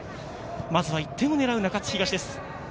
まずは１点を狙う中津東です。